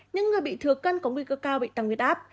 những người bị thừa cân có nguy cơ cao bị tăng nguyết áp